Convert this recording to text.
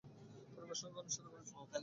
পরিবারের সঙ্গে ঘনিষ্ঠতা করিয়াছিল।